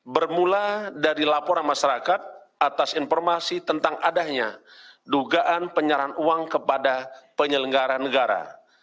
bermula dari laporan masyarakat atas informasi tentang adanya dugaan penyerahan uang kepada penyelenggara negara